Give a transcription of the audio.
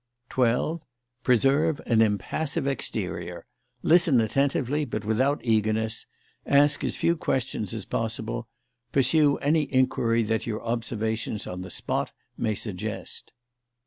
12. Preserve an impassive exterior; listen attentively but without eagerness; ask as few questions as possible; pursue any inquiry that your observations on the spot may suggest.